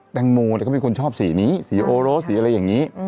แตงโมเขาเป็นคนชอบสีนี้สีโอโรสสีอะไรอย่างนี้